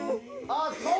ああそう！